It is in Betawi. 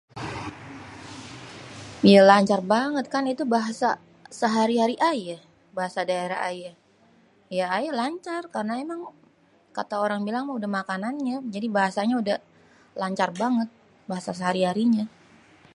Yaaa lancar banget kan itu bahasa sehari-hari aye, bahasa daerah aye, ya aye lancar karena emang kata orang bilang udah makanannye jadi bahasanye udeh lancar banget bahasa sehari-harinye